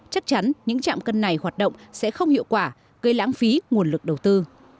chắc chắn những trạm cân này hoạt động sẽ không hiệu quả gây lãng phí nguồn lực đầu tư